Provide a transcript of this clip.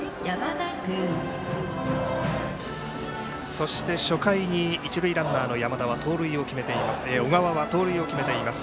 そして初回に一塁ランナーの小川は盗塁を決めています。